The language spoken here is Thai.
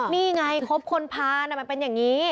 นี่ไงครบคนพาน่ะมันเป็นอย่างนี้